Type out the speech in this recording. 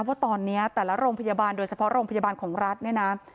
ว่าตอนนี้แต่ละโรงพยาบาลโดยเฉพาะโรงพยาบาลของรัฐเนี่ยนะ